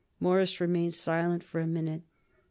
Morris remained silent for a minute.